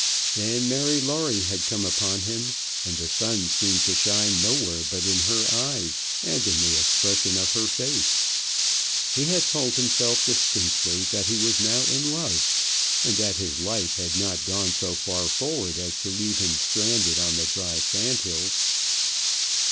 Then Mary Lawrie had come upon him, and the sun seemed to shine nowhere but in her eyes and in the expression of her face. He had told himself distinctly that he was now in love, and that his life had not gone so far forward as to leave him stranded on the dry sandhills.